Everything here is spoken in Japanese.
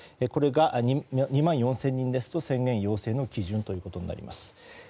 これが２万４０００人ですと宣言要請の基準ということになります。